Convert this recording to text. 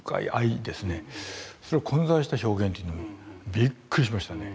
それが混在した表現というのにびっくりしましたね。